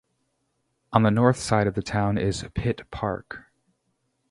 On the north side of the town is Pitt Park.